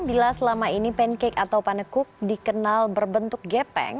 bila selama ini pancake atau panekuk dikenal berbentuk gepeng